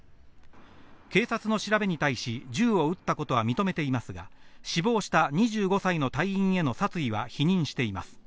警察の調べに対し、銃を撃ったことは認めていますが、死亡した２５歳の隊員への殺意は否認しています。